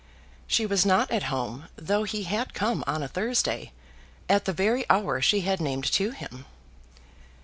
She was not at home, though he had come on a Thursday at the very hour she had named to him.